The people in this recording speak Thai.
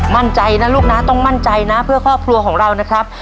มั่นใจนะลูกนะต้องมั่นใจนะเพื่อครอบครัวของเรานะครับ